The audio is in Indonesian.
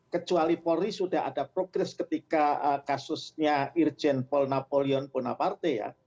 kecuali polri sudah ada progress ketika kasusnya irjen paul napoleon bonaparte